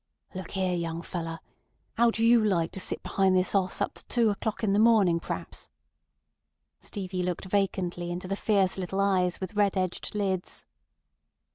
"Look 'ere, young feller. 'Ow'd you like to sit behind this 'oss up to two o'clock in the morning p'raps?" Stevie looked vacantly into the fierce little eyes with red edged lids.